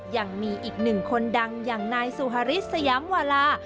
ยังมีอีกหนึ่งคนดังอย่างนายสุฮาริสสยามวาลา